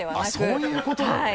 そういうことなのね？